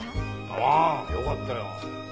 ああよかったよ。